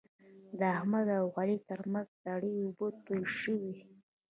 د احمد او علي ترمنځ سړې اوبه تویې شوې.